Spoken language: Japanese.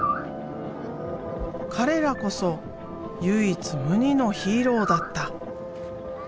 彼らこそ唯一無二のヒーローだった。